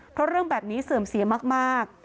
เพราะเรื่องแบบนี้เสื่อมเสียมาก